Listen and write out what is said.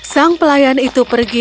sang pelayan itu pergi